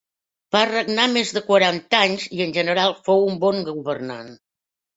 Va regnar més de quaranta anys i en general fou un bon governant.